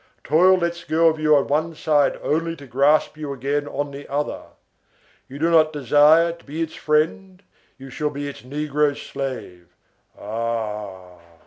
Toil lets go of you on one side only to grasp you again on the other. You do not desire to be its friend, you shall be its negro slave. Ah!